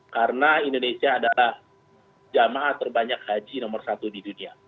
karena indonesia adalah jamaah terbanyak haji nomor satu di dunia